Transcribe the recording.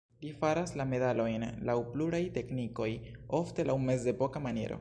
Li faras la medalojn laŭ pluraj teknikoj, ofte laŭ mezepoka maniero.